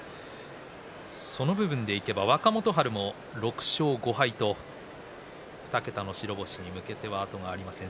その部分でいけば若元春も６勝５敗と２桁の白星に向けて後がありません。